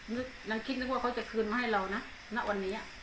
นางคิดนึกว่าเขาจะคืนมาให้เรานะณวันนี้